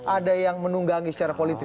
ada yang menunggangi secara politik